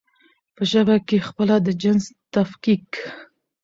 په ژبه کې پخپله د جنس تفکيک